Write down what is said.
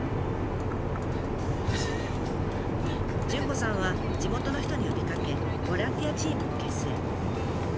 潤子さんは地元の人に呼びかけボランティアチームを結成。